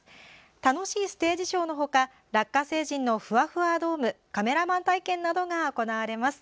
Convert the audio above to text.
楽しいステージショーの他ラッカ星人のふわふわドームカメラマン体験などが行われます。